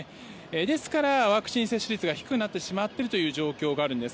ですからワクチン接種率が低くなってしまっている状況があるんです。